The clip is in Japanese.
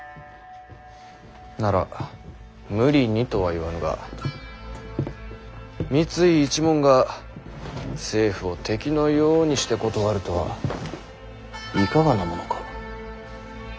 なら無理にとは言わぬが三井一門が政府を敵のようにして断るとはいかがなものか。